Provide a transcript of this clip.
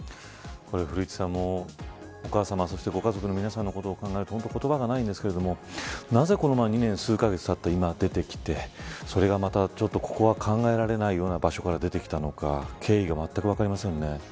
古市さん、お母さま、ご家族の皆さまのことを考えると言葉がないんですがなぜこの２年数カ月たった今出てきてそれが、ちょっとここは考えられないような場所から出てきたのか経緯がまったく分かりませんね。